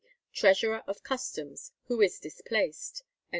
treasurer of customs, who is displaced."